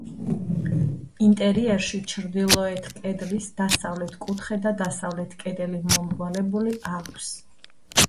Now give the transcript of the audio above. ინტერიერში ჩრდილოეთ კედლის დასავლეთ კუთხე და დასავლეთ კედელი მომრგვალებული აქვს.